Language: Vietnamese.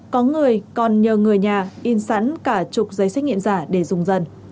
có người còn nhờ người nhà in sẵn cả chục giấy xét nghiệm giả để dùng dần